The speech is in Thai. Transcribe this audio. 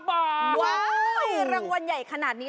รางวัลใหญ่ขนาดนี้